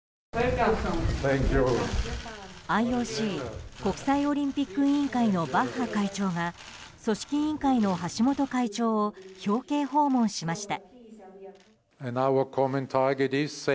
ＩＯＣ・国際オリンピック委員会のバッハ会長が組織委員会の橋本会長を表敬訪問しました。